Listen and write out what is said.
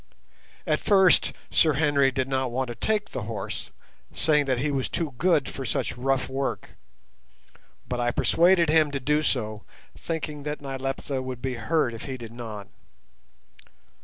At first Sir Henry did not want to take the horse, saying that he was too good for such rough work, but I persuaded him to do so, thinking that Nyleptha would be hurt if he did not.